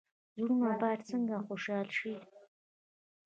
زړونه باید څنګه خوشحاله شي؟